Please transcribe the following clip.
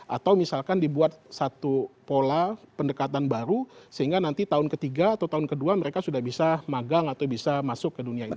atau misalkan dibuat satu pola pendekatan baru sehingga nanti tahun ketiga atau tahun kedua mereka sudah bisa magang atau bisa masuk ke dunia ini